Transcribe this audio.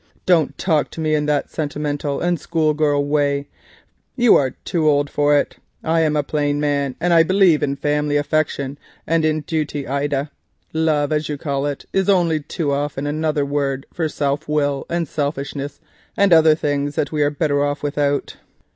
"Don't talk to me in that sentimental and school girl way—you are too old for it. I am a plain man, and I believe in family affection and in duty, Ida. Love, as you call it, is only too often another word for self will and selfishness and other things that we are better without."